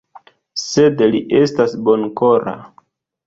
Sed li estas bonkora.